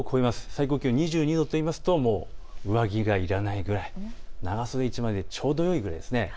最高気温２２度といいますと上着がいらないくらい長袖１枚でちょうどいいくらいですね。